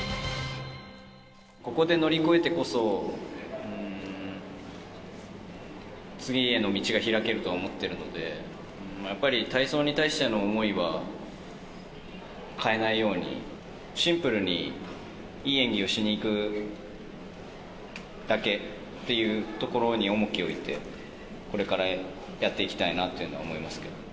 ここで乗り越えてこそ、次への道が開けると思っているので、やっぱり体操に対しての思いは変えないように、シンプルにいい演技をしにいくだけっていうところに重きを置いてこれからやっていきたいなというふうに思います。